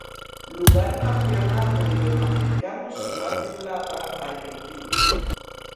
Lugar Campeonato Iberoamericanos Mar de Plata, Argentina.